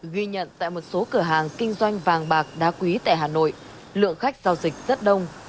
ghi nhận tại một số cửa hàng kinh doanh vàng bạc đá quý tại hà nội lượng khách giao dịch rất đông